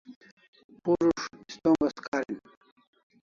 Purus' ist'ongas karin